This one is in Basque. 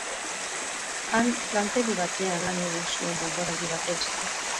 Han lantegi batean lan egin zuen denboraldi batez.